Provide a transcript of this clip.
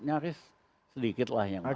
nyaris sedikit lah yang